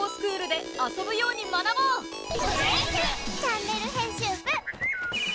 チャンネル編集部。